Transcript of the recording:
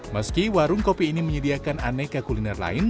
meski warung kopi ini menyediakan aneka kuliner lain